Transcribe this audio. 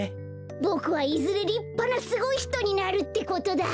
ボクはいずれりっぱなすごいひとになるってことだ！